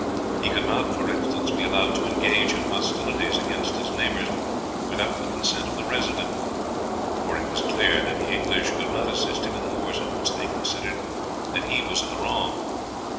He could not, for instance, be allowed to engage in hostilities against his neighbors without the consent of the Resident, for it was clear that the English could not assist him in wars in which they considered that he was in the wrong.